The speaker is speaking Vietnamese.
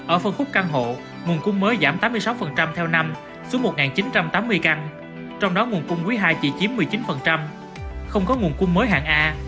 ở phân khúc căn hộ nguồn cung mới giảm tám mươi sáu theo năm xuống một chín trăm tám mươi căn trong đó nguồn cung quý ii chỉ chiếm một mươi chín không có nguồn cung mới hạng a